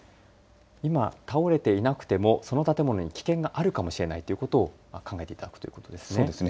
今、倒れていなくてもその建物に危険があるかもしれないということを考えていただくということですね。